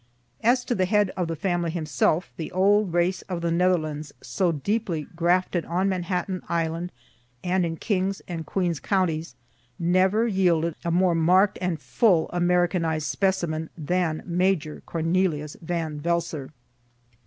As to the head of the family himself, the old race of the Netherlands, so deeply grafted on Manhattan island and in Kings and Queens counties, never yielded a more mark'd and full Americanized specimen than Major Cornelius Van Velsor.